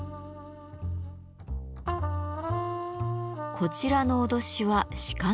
こちらの威しは鹿の革。